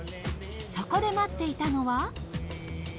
そこで待っていたのは。